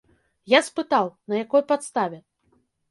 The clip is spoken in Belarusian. Я спытаў, на якой падставе.